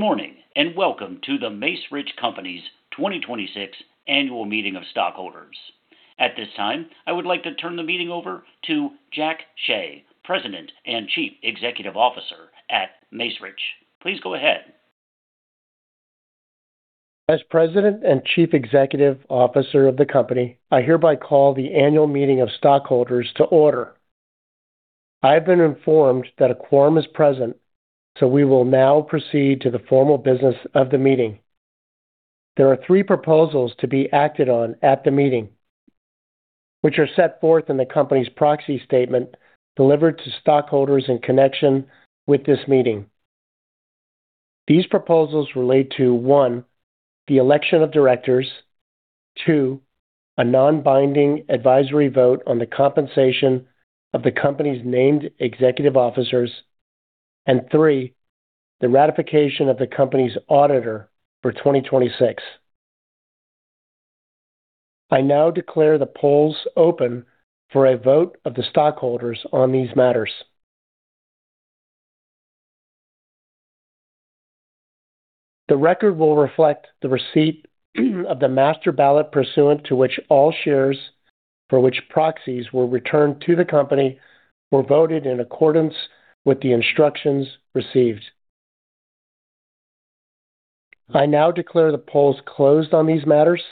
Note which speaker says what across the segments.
Speaker 1: Morning, and welcome to The Macerich Company's 2026 Annual Meeting of Stockholders. At this time, I would like to turn the meeting over to Jackson Hsieh, President and Chief Executive Officer at Macerich. Please go ahead.
Speaker 2: As President and Chief Executive Officer of the company, I hereby call the annual meeting of stockholders to order. I have been informed that a quorum is present, we will now proceed to the formal business of the meeting. There are three proposals to be acted on at the meeting, which are set forth in the company's proxy statement delivered to stockholders in connection with this meeting. These proposals relate to, one, the election of directors, two, a non-binding advisory vote on the compensation of the company's named executive officers, and three, the ratification of the company's auditor for 2026. I now declare the polls open for a vote of the stockholders on these matters. The record will reflect the receipt of the master ballot pursuant to which all shares for which proxies were returned to the company were voted in accordance with the instructions received. I now declare the polls closed on these matters.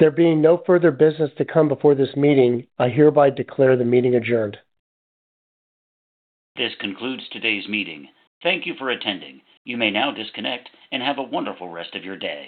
Speaker 2: There being no further business to come before this meeting, I hereby declare the meeting adjourned.
Speaker 1: This concludes today's meeting. Thank you for attending. You may now disconnect and have a wonderful rest of your day.